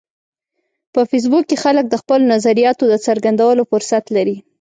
په فېسبوک کې خلک د خپلو نظریاتو د څرګندولو فرصت لري